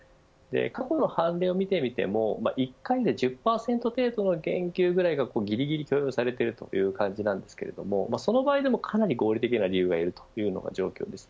過去の判例を見てみても一回で１０％程度の減給くらいがぎりぎり許容されているという感じなんですがその場合でも、かなり合理的な理由がいるというのが状況です。